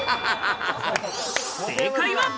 正解は。